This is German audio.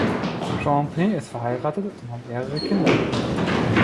Jean Ping ist verheiratet und hat mehrere Kinder.